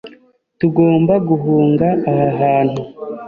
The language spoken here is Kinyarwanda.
Tugomba guhunga aha hantu.